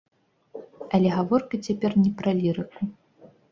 Але гаворка цяпер не пра лірыку.